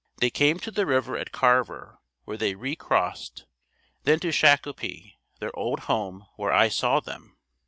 They came to the river at Carver, where they re crossed, then to Shakopee, their old home, where I saw them.